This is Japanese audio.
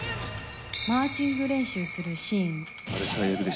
マーチング練習するシーン。